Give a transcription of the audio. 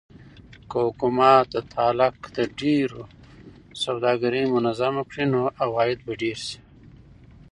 که حکومت د تالک د ډبرو سوداګري منظمه کړي نو عواید به ډېر شي.